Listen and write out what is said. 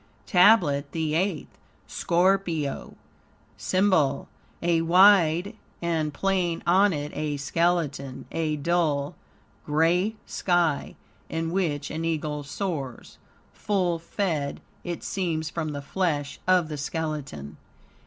TABLET THE EIGHTH Scorpio SYMBOL A wide, and plain, on it a skeleton; a dull, grey sky, in which an Eagle soars, full fed, it seems, from the flesh of the skeleton.